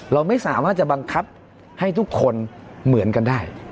เราไม่สามารถจะบังคับให้ทุกคนเหมือนกันได้